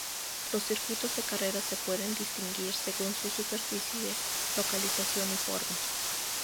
Los circuitos de carreras se pueden distinguir según su superficie, localización y forma.